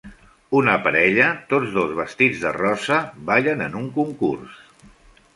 Una parella, tots dos vestits de rosa, ballen en un concurs.